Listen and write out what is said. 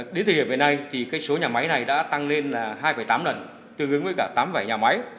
đến thời điểm về nay số nhà máy này đã tăng lên hai tám lần tương ứng với cả tám vài nhà máy